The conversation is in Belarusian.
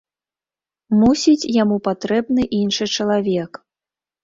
Мусіць, яму патрэбны іншы чалавек.